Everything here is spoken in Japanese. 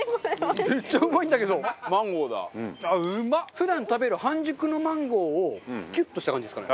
普段食べる半熟のマンゴーをキュッとした感じですかね。